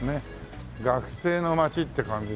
学生の街って感じだよね。